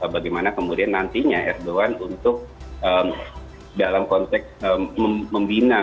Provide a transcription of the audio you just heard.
bagaimana kemudian nantinya erdogan untuk dalam konteks membina